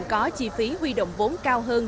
có chi phí huy động vốn cao hơn